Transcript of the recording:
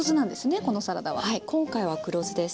はい今回は黒酢です。